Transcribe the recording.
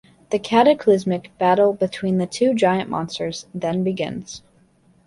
The cataclysmic battle between the two giant monsters then begins.